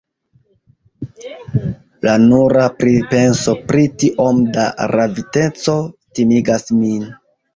La nura pripenso pri tiom da raviteco timigas min.